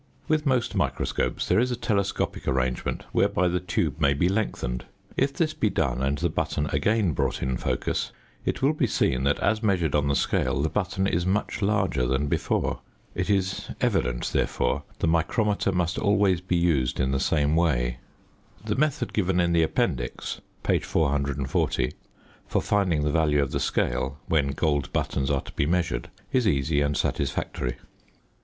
With most microscopes there is a telescopic arrangement whereby the tube may be lengthened; if this be done and the button again brought in focus, it will be seen that, as measured on the scale, the button is much larger than before. It is evident, therefore, the micrometer must always be used in the same way. The method given in the appendix (page 440), for finding the value of the scale when gold buttons are to be measured is easy and satisfactory.